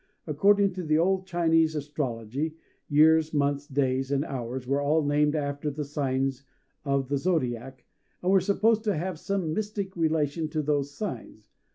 According to the old Chinese astrology, years, months, days, and hours were all named after the Signs of the Zodiac, and were supposed to have some mystic relation to those signs.